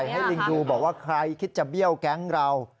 ให้ลิงดูบอกว่าใครคิดจะเบี้ยวแก๊งเรา